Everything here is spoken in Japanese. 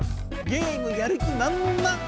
ゲームやる気まんまん。